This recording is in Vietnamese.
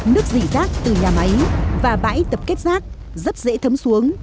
nước dỉ rác từ nhà máy và bãi tập kết rác rất dễ thấm xuống